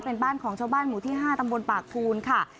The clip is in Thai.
เป็นบ้านของชาวบ้านหมู่ที่๕ตำบลปากภูนค่ะ